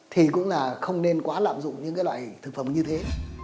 thì cũng là không nên quá lạm dụng những loại thực phẩm như thế